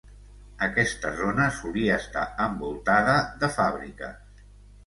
Aquesta zona solia estar envoltada de fàbriques.